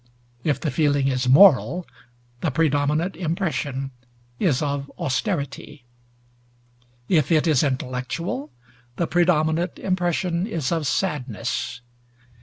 If the feeling is moral, the predominant impression is of austerity; if it is intellectual, the predominant impression is of sadness.